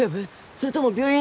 それとも病院？